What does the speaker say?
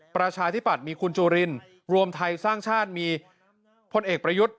ประชาธิปัตย์มีคุณจุรินรวมไทยสร้างชาติมีพลเอกประยุทธ์